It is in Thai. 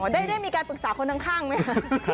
ได้มีการปรึกษาคนข้างไหมคะ